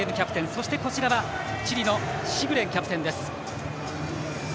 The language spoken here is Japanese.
そして、こちらはチリのシグレンキャプテンです。